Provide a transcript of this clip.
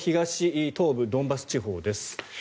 東部、ドンバス地方です。